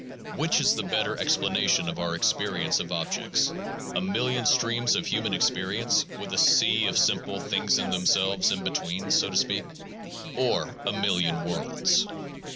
Which is the better explanation of our experience of objects — a million streams of human experience, with a sea of simple things in themselves in between (so to speak), or a million worlds